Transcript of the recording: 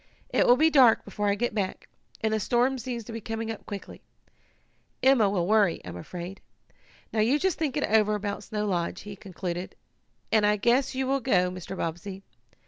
"It will be dark before I get back, and the storm seems to be coming up quickly. Emma will worry, I'm afraid. Now you just think it over about Snow Lodge," he concluded, "and I guess you will go, Mr. Bobbsey.